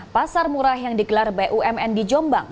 pasar murah yang digelar bumn di jombang